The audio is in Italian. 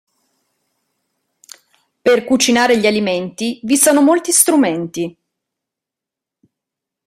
Per cucinare gli alimenti vi sono molti strumenti.